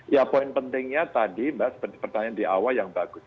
ya poin pentingnya tadi mbak seperti pertanyaan di awal yang bagus